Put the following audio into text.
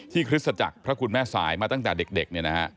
ที่คริสตจักรพระคุณแม่สายมาตั้งแต่เด็ก